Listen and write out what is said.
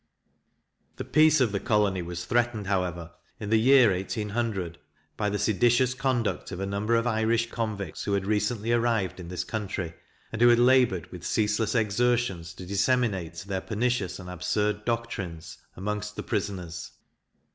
The peace of the colony was threatened, however, in the year 1800, by the seditious conduct of a number of Irish convicts who had recently arrived in this country, and who had laboured, with ceaseless exertions, to disseminate their pernicious and absurd doctrines amongst the prisoners.